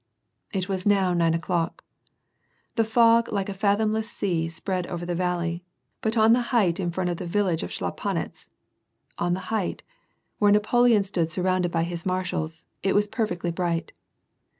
It was now nine o'clock. The fog like a fathomless sea spread over the valley, but on the height in front of the vil lage of Schlapanitz on the height, where Napoleon stood sur rounded by his marshals, it was perfectly bright.